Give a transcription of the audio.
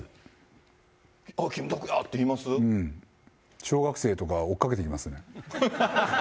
小学生とか、追っかけてきますもん。